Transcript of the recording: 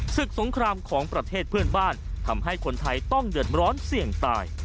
สงครามของประเทศเพื่อนบ้านทำให้คนไทยต้องเดือดร้อนเสี่ยงตาย